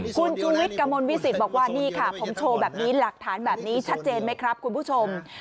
คุณชูวิทย์กระมวลวิสิตบอกว่านี่ค่ะผมโชว์แบบนี้หลักฐานแบบนี้ชัดเจนไหมครับคุณผู้ชม